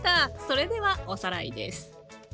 それではおさらいです。